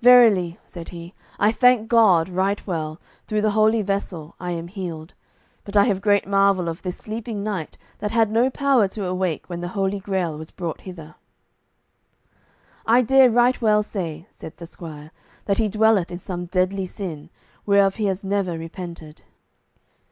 "Verily," said he, "I thank God, right well; through the holy vessel I am healed. But I have great marvel of this sleeping knight, that had no power to awake when the Holy Grail was brought hither." "I dare right well say," said the squire, "that he dwelleth in some deadly sin, whereof he has never repented."